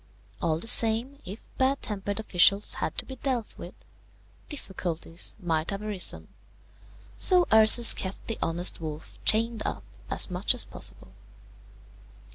All the same, if bad tempered officials had to be dealt with, difficulties might have arisen; so Ursus kept the honest wolf chained up as much as possible.